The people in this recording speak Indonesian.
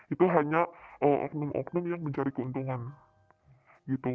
itu hanya oknum oknum yang mencari keuntungan gitu